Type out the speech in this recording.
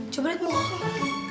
coba deh aku mau langsung